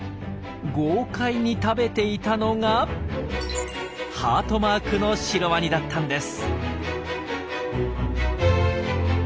豪快に食べていたのがハートマークのシロワニだったんです。